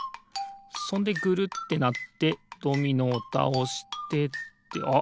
そんでぐるってなってドミノをたおしてあっ